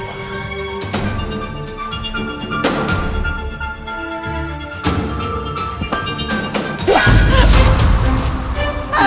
dia gak tau apa apa